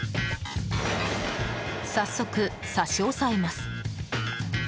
早速、差し押えます。